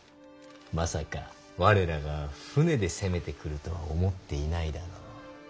まさか我らが船で攻めてくるとは思っていないだろう。